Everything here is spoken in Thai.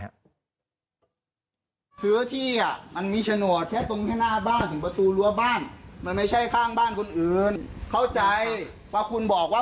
หลังคาทำไมถึงเขาออกไม่ได้ครับ